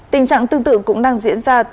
tình trạng tương tự cũng đang diễn ra